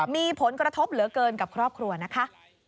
มีผลกระทบเหลือเกินกับครอบครัวนะคะ